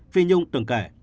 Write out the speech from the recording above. phi nhung từng kể